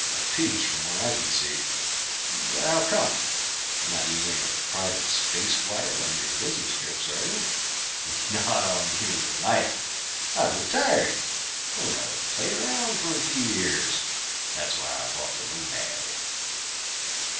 "A peach, from what I can see. But how come? Not using a private space flier on your business trips, are you?" "Not on your life! I've retired. Going to play around for a few years. That's why I bought the Nomad."